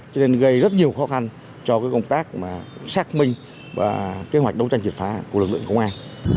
cho nên gây rất nhiều khó khăn cho công tác xác minh và kế hoạch đấu tranh triệt phá của lực lượng công an